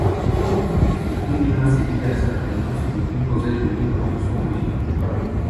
Il combina ces diverses influences pour composer de nombreux morceaux musicaux.